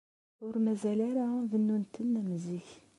Ur mazal ara bennun-tent am zik.